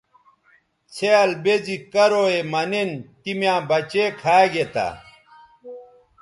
څھیال بے زی کرو یے مہ نِن تی میاں بچے کھا گے تھے